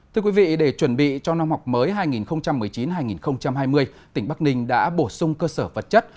thưa quý vị để chuẩn bị cho năm học mới hai nghìn một mươi chín hai nghìn hai mươi tỉnh bắc ninh đã bổ sung cơ sở vật chất